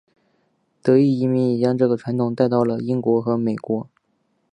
德裔移民也将这个传统带到了英国和美国。